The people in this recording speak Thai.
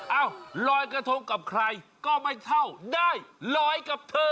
ลอยกระทงกับใครก็ไม่เท่าได้ลอยกับเธอ